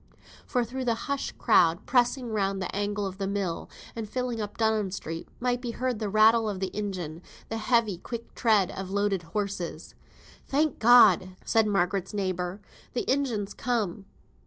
For through the hushed crowd, pressing round the angle of the mill, and filling up Dunham Street, might be heard the rattle of the engine, the heavy, quick tread of loaded horses. "Thank God!" said Margaret's neighbour, "the engine's come."